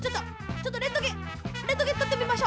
ちょっとレントゲンレントゲンとってみましょう。